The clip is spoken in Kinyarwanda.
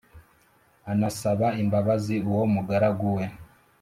anasaba imbabazi uwo mugaragu we.